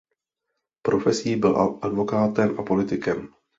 Profesí byl advokátem a politikem.